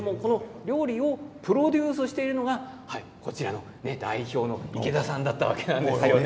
料理をプロデュースしているのが代表の池田さんだったわけですね。